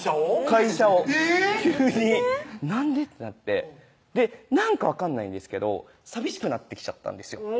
会社を急になんで？ってなってなんか分かんないんですけど寂しくなってきちゃったんですよ